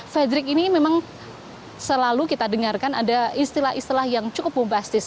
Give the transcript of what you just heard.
fadrik ini memang selalu kita dengarkan ada istilah istilah yang cukup bombastis